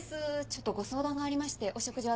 ちょっとご相談がありましてお食事